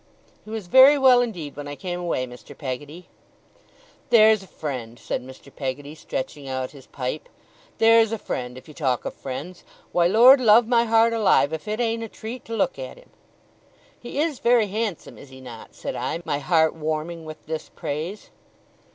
'He was very well indeed when I came away, Mr. Peggotty.' 'There's a friend!' said Mr. Peggotty, stretching out his pipe. 'There's a friend, if you talk of friends! Why, Lord love my heart alive, if it ain't a treat to look at him!' 'He is very handsome, is he not?' said I, my heart warming with this praise.